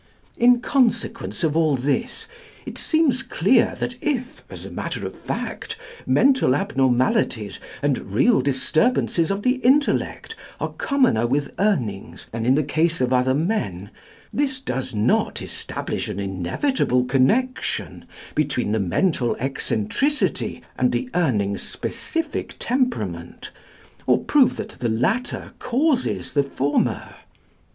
"In consequence of all this, it seems clear that if, as a matter of fact, mental abnormalities and real disturbances of the intellect are commoner with Urnings than in the case of other men, this does not establish an inevitable connection between the mental eccentricity and the Urning's specific temperament, or prove that the latter causes the former.